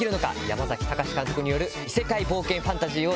山崎貴監督による異世界冒険ファンタジーを。